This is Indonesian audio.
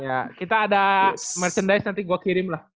ya kita ada merchandise nanti gue kirim lah